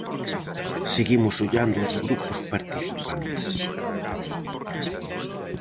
Seguimos ollando os grupos participantes.